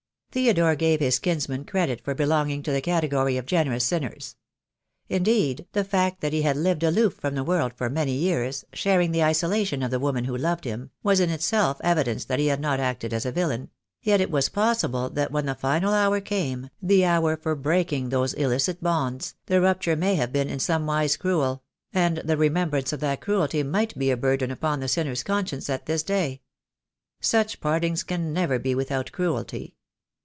Theodore gave his kinsman credit for belong ing to the category of generous sinners. Indeed, the fact that he had lived aloof from the world for many years, sharing the isolation of the woman who loved him, was in itself evidence that he had not acted as a villain; yet it was possible that when the final hour came, the hour for breaking those illicit bonds, the rupture may have been in somewise cruel; and the remembrance of that cruelty might be a burden upon the sinner's conscience at this day. Such partings can never be without cruelty.